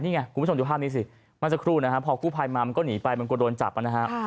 นี่ไงคุณผู้ชมดูภาพนี้สิเมื่อสักครู่นะฮะพอกู้ภัยมามันก็หนีไปมันกลัวโดนจับนะฮะ